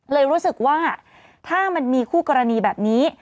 เลยรู้สึกว่าถ้ามันมีคู่กรณีแบบนี้